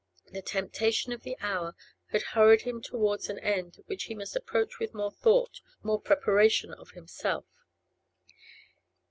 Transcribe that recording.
The temptation of the hour had hurried him towards an end which he must approach with more thought, more preparation of himself.